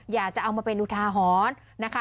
อยากจะเอามาเป็นอุทาหรณ์นะคะ